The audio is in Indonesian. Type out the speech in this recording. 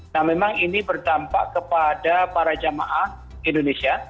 nah memang ini bertampak kepada para jemaah indonesia